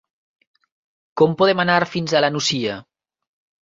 Com podem anar fins a la Nucia?